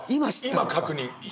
今確認。